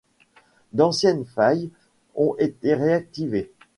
D'anciennes failles ont été réactivées.